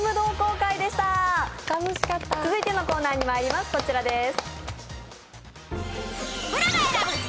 続いてのコーナーにまいりますこちらです。